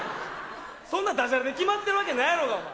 そんなダジャレで決まってるわけないやろがお前。